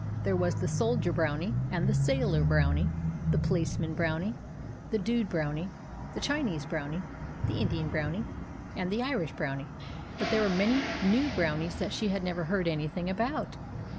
There was the Soldier Brownie, and the Sailor Brownie, the Policeman Brownie, the Dude Brownie, the Chinese Brownie, the Indian Brownie, and the Irish Brownie; but there were many new Brownies that she had never heard anything about.